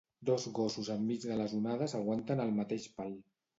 Dos gossos enmig de les onades aguanten el mateix pal.